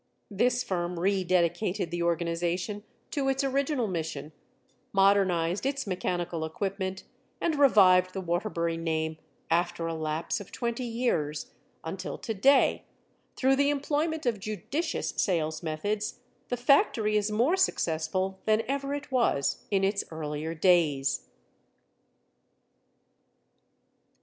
This firm rededicated the organization to its original mission, modernized its mechanical equipment, and revived the Waterbury name after a lapse of twenty years, until to day, through the employment of judicious sales methods, the factory is more successful than ever it was in its earlier days.